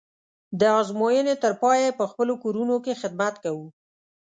د ازموینې تر پایه یې په خپلو کورونو کې خدمت کوو.